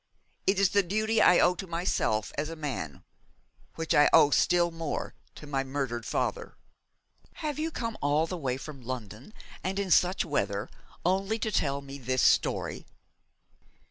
It is a duty I owe to myself as a man, which I owe still more to my murdered father.' 'Have you come all the way from London, and in such weather, only to tell me this story?'